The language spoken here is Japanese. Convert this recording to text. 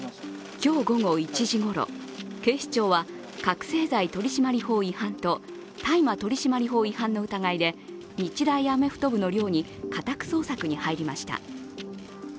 今日午後１時ごろ警視庁は、覚醒剤取締法違反と大麻取締法違反の疑いで日大アメフト部の寮に家宅捜索に入りました。